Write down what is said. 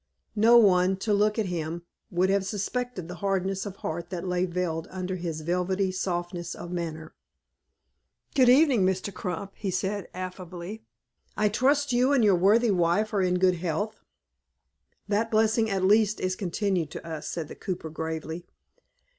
No one, to look at him, would have suspected the hardness of heart that lay veiled under his velvety softness of manner. "Good evening, Mr. Crump," said he, affably, "I trust you and your worthy wife are in good health." "That blessing, at least, is continued to us," said the cooper, gravely.